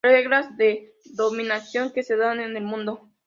Las reglas de dominación que se dan en el mundo: